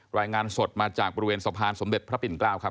รายงานสดมาจากบริเวณสะพานสมเด็จพระปิ่นเกล้าครับ